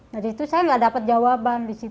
dari situ saya tidak dapat jawaban